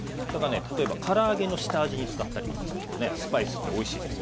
例えばから揚げの下味に使ったりとかするとねスパイスっておいしいですね。